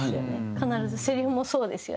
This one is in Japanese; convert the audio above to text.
必ずせりふもそうですよね。